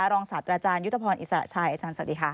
ศาสตราจารยุทธพรอิสระชัยอาจารย์สวัสดีค่ะ